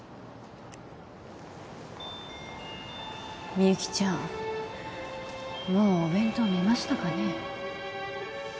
みゆきちゃんもうお弁当見ましたかね？